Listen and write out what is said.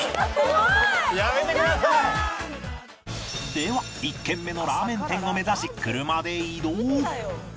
では１軒目のラーメン店を目指し車で移動